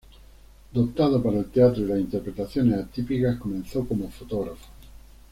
Dotado para el teatro y las interpretaciones atípicas, comenzó como fotógrafo.